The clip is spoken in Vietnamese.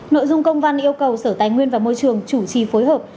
nội dung công văn yêu cầu sở tài nguyên và môi trường chủ trì phối hợp